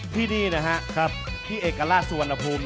ที่นี่นะครับที่เอกล่าสวนภูมินั้น